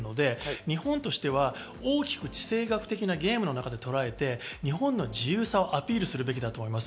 日本としては大きな地政学的なゲームととらえて、日本の自由さをアピールすべきだと思います。